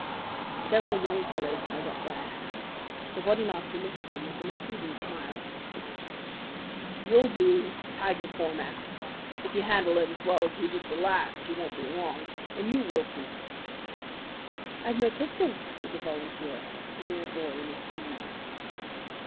Several young fellows held up their hands. The Bodymaster looked at them with an approving smile. "You'll do, Tiger Cormac. If you handle it as well as you did the last, you won't be wrong. And you, Wilson." "I've no pistol," said the volunteer, a mere boy in his teens.